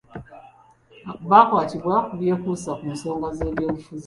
Baakwatibwa ku byekuusa ku nsonga z’ebyobufuzi .